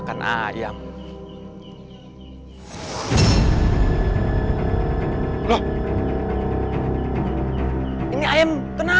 kabar pak rt